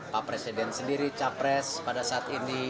pak presiden sendiri capres pada saat ini